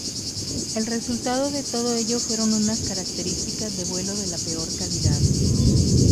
El resultado de todo ello fueron unas características de vuelo de la peor calidad.